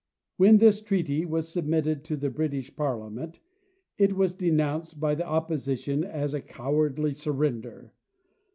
When this treaty was submitted to the British Parliament it was denounced by the opposition as a cowardly surrender.